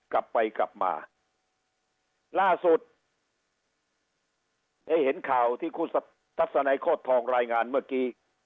กลับไปกลับมาล่าสุดได้เห็นข่าวที่คุณทัศนัยโคตรทองรายงานเมื่อกี้